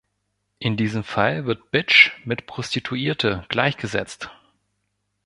In diesem Fall wird „Bitch“ mit „Prostituierte“ gleichgesetzt.